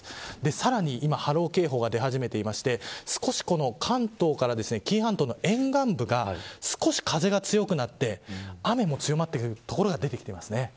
さらに今波浪警報が出始めていて少し関東から紀伊半島の沿岸部が少し風が強くなって雨も強まってくる所が出てきています。